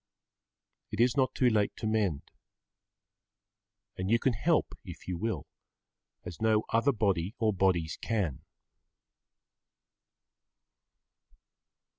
It is not too late to mend. And you can help if you will, as no other body or bodies can.